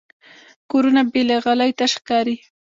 کورونه بې له غالۍ تش ښکاري.